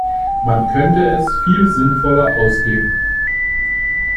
Man könnte es viel sinnvoller ausgeben.